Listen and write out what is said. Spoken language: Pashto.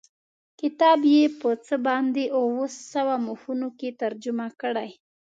کتاب یې په څه باندې اووه سوه مخونو کې ترجمه کړی.